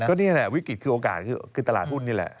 ก็นี่แหละวิกฤตคือโอกาสคือตลาดหุ้นนี่แหละ